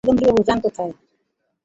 যোগেন্দ্রবাবু, যান কোথায়?